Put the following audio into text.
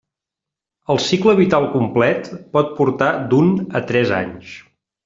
El cicle vital complet pot portar d'un a tres anys.